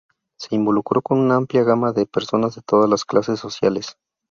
Se involucró con una amplia gama de personas de todas las clases sociales.